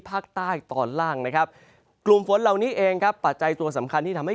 ภาคใต้ตอนล่างนะครับกลุ่มฝนเหล่านี้เองครับปัจจัยตัวสำคัญที่ทำให้